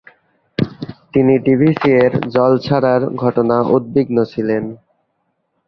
তিনি ডিভিসি-এর জল ছাড়ার ঘটনা উদ্বিগ্ন ছিলেন।